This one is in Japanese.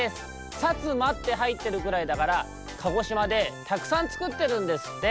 「さつま」ってはいってるぐらいだから鹿児島でたくさんつくってるんですって。